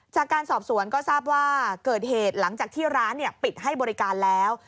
จากการสอบสวนก็ทราบว่าเกิดเหตุหลังจากที่ร้านปิดให้บริการแล้ว